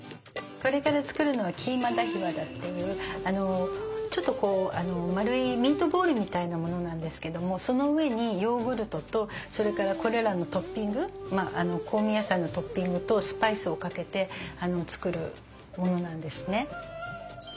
これから作るのは「キーマダヒワダ」っていうちょっと丸いミートボールみたいなものなんですけどもその上にヨーグルトとそれからこれらのトッピング香味野菜のトッピングとスパイスをかけて作るものなんですね。